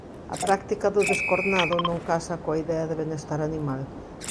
A práctica do descornado non casa coa idea de benestar animal.